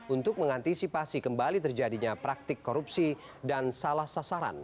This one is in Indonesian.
untuk mengantisipasi kembali terjadinya praktik korupsi dan salah sasaran